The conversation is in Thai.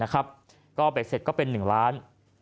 ก็เอาไปเสร็จก็เป็น๑ล้านบาท